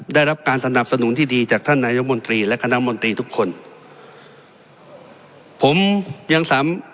ได้รับการสนับสนุนที่ดีจากท่านนายกมนตรีและคณะมนตรีทุกคนผมยังสาม